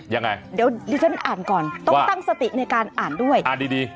ยังไงเดี๋ยวดิฉันอ่านก่อนต้องตั้งสติในการอ่านด้วยอ่านดีดี